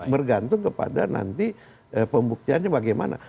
bergantung kepada nanti pembuktiannya bagaimana